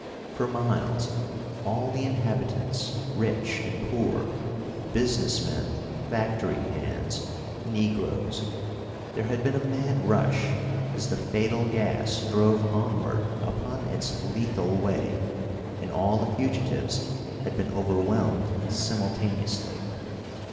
For miles all the inhabitants, rich and poor, business men, factory hands, negroes. There had been a mad rush as the fatal gas drove onward upon its lethal way, and all the fugitives had been overwhelmed simultaneously.